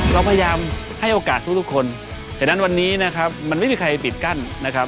เราพยายามให้โอกาสทุกคนฉะนั้นวันนี้นะครับมันไม่มีใครปิดกั้นนะครับ